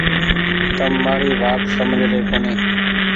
تم مآري وآت سمجه ري ڪونيٚ ۔